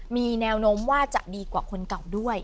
มีแนวโน้มว่าจะดีกว่าคนเก่าด้วย